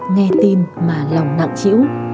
nghe tin mà lòng nặng chịu